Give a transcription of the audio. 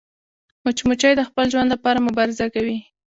مچمچۍ د خپل ژوند لپاره مبارزه کوي